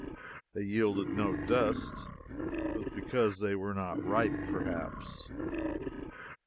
They yielded no dust. It was because they were not ripe, perhaps.